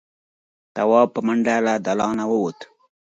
تواب په منډه له دالانه ووت.